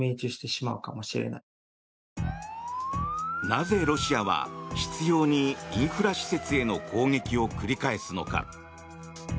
なぜロシアは執ようにインフラ施設への攻撃を繰り返すのか。